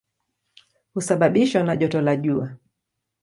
Husababishwa na joto la jua.